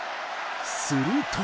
すると。